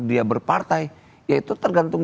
dia berpartai ya itu tergantung